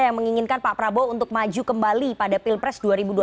yang menginginkan pak prabowo untuk maju kembali pada pilpres dua ribu dua puluh